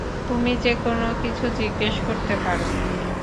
তুমি যেকোনো কিছু জিজ্ঞেস করতে পারো।